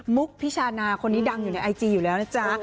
พิชานาคนนี้ดังอยู่ในไอจีอยู่แล้วนะจ๊ะ